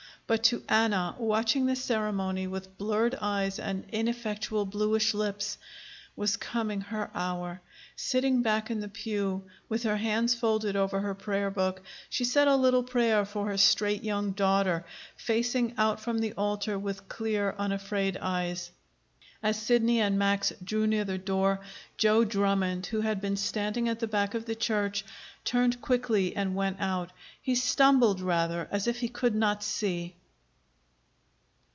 But to Anna, watching the ceremony with blurred eyes and ineffectual bluish lips, was coming her hour. Sitting back in the pew, with her hands folded over her prayer book, she said a little prayer for her straight young daughter, facing out from the altar with clear, unafraid eyes. As Sidney and Max drew near the door, Joe Drummond, who had been standing at the back of the church, turned quickly and went out. He stumbled, rather, as if he could not see.